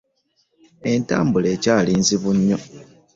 Entambula ekyali nzibu nnyo.